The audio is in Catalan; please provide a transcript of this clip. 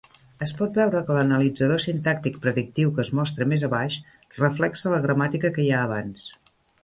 Es pot veure que l'analitzador sintàctic predictiu que es mostra més abaix reflexa la gramàtica que hi ha abans.